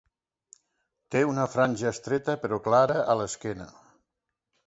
Té una franja estreta però clara a l'esquena.